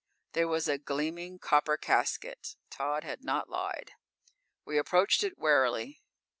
There was a gleaming copper casket. Tod had not lied. We approached it warily.